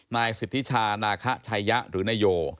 นายสิทธิชานาคะชัยยะหรือนายโย